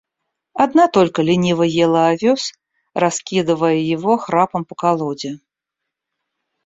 Одна только лениво ела овес, раскидывая его храпом по колоде.